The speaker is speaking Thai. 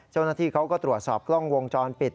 เจ้าหน้าที่เขาก็ตรวจสอบกล้องวงจรปิด